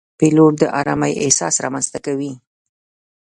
پیلوټ د آرامۍ احساس رامنځته کوي.